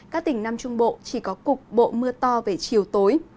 cục bộ mưa to về chiều tối